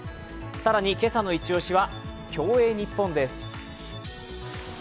更に今日のイチ押しは競泳ニッポンです。